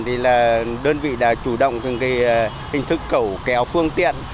thì đơn vị đã chủ động hình thức cầu kéo phương tiện